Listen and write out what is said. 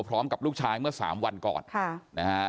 พร้อมกับลูกชายเมื่อ๓วันก่อนนะฮะ